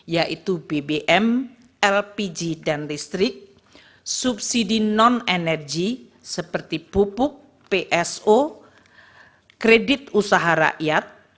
yaitu bbm lpg dan listrik subsidi non energi seperti pupuk pso kredit usaha rakyat